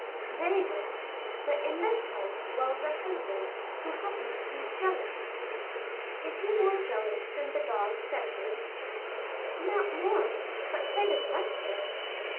"Very good; but in this house dwells a husband who happens to be jealous." "Is he more jealous than the dog Cerberus?" "Not more, but quite as much so."